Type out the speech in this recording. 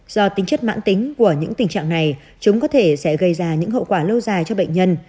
do tính chất mãn tính của những tình trạng này chúng có thể sẽ gây ra những hậu quả lâu dài cho bệnh nhân